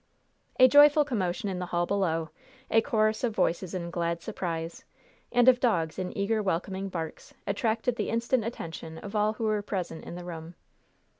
A joyful commotion in the hall below, a chorus of voices in glad surprise, and of dogs in eager welcoming barks, attracted the instant attention of all who were present in the room.